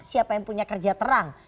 siapa yang punya kerja terang